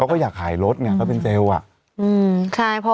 เค้าก็อยากขายรถเค้าเป็นเจล